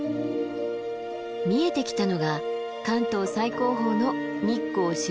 見えてきたのが関東最高峰の日光白根山！